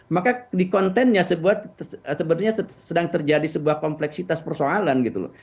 maka di kontennya sebenarnya sedang terjadi sebuah kompleksitas persoalan gitu loh